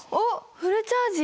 フルチャージだ！